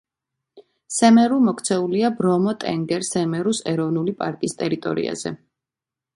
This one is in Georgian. სემერუ მოქცეულია ბრომო-ტენგერ-სემერუს ეროვნული პარკის ტერიტორიაზე.